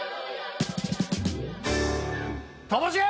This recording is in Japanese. ともしげ！